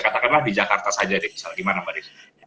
katakanlah di jakarta saja deh bisa lagi mana mbak desy